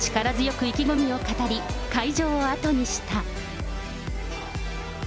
力強く意気込みを語り、会場を後にした。